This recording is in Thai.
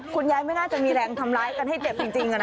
คุณยายไม่น่าจะมีแรงทำร้ายกันให้เจ็บจริง